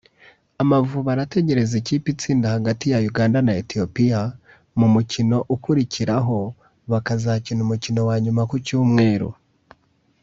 Amavubi arategereza ikipe itsinda hagati ya Uganda na Ethiopia mu mukino ukurikiraho bakazakina umukino wa nyuma ku Cyumweru